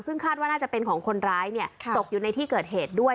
ซึ่งคาดว่าน่าจะเป็นของคนร้ายตกอยู่ในที่เกิดเหตุด้วย